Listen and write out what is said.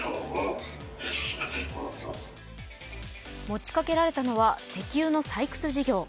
持ちかけられたのは石油の採掘事業。